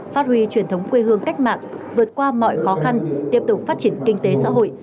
phát huy truyền thống quê hương cách mạng vượt qua mọi khó khăn tiếp tục phát triển kinh tế xã hội